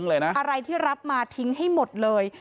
อะไรที่รับมาทิ้งให้หมดเลย